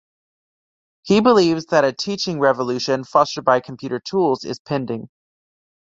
He believes that a teaching revolution, fostered by computer tools, is pending.